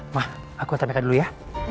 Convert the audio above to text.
ma aku antar meka dulu ya